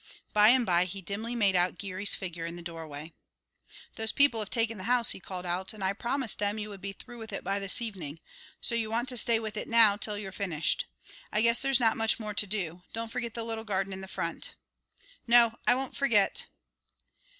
By and by he dimly made out Geary's figure in the doorway. "Those people have taken the house," he called out, "and I promised them you would be through with it by this evening. So you want to stay with it now till you're finished. I guess there's not much more to do. Don't forget the little garden in front." "No; I won't forget!"